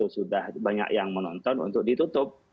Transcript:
sudah banyak yang menonton untuk ditutup